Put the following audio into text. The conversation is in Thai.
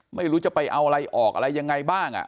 ไม่รู้จะไปเอาอะไรออกอะไรยังไงบ้าง